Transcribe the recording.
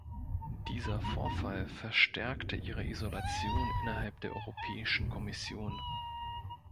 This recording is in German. Dieser Vorfall verstärkte ihre Isolation innerhalb der Europäischen Kommission.